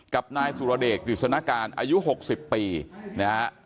กับนายสุรเดชกฤษณการอายุ๖๐ปีนะฮะ